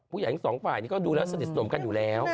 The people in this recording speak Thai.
ผู้ใหญ่ทั้งสองฝ่ายนี่ก็ดูแล้วสนิทสนมกันอยู่แล้ว